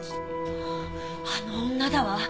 あの女だわ。